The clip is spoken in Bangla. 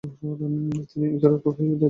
তিনি উইকেট-রক্ষণের দায়িত্ব পালন করেননি।